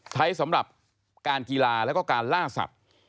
สำหรับการกีฬาแล้วก็การล่าสัตว์